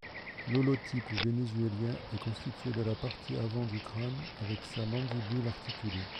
L'holotype vénézuélien est constitué de la partie avant du crâne avec sa mandibule articulée.